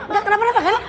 gak kenapa kenapa emang